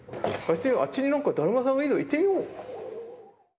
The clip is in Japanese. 「あっちに何かだるまさんがいるよ行ってみよう」。